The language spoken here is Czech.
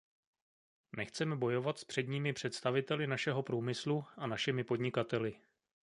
Nechceme bojovat s předními představiteli našeho průmyslu a našimi podnikateli.